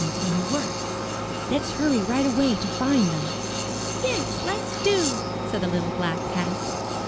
IN THE NURSERY when he works. Let's hurry right away to find them." '*Yes, let's do," said the little black cat.